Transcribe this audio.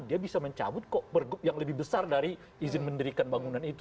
dia bisa mencabut kok pergub yang lebih besar dari izin mendirikan bangunan itu